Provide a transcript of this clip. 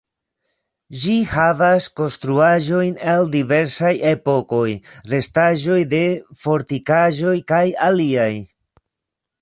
Ĝi havas konstruaĵojn el diversaj epokoj, restaĵoj de fortikaĵoj kaj aliaj.